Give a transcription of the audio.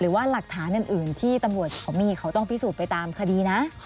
ว่าหลักฐานอื่นที่ตำรวจเขามีเขาต้องพิสูจน์ไปตามคดีนะ